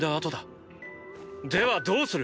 ではどうする？